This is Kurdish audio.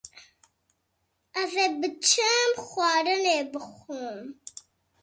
Ez ê biçim xwarinê bixwim.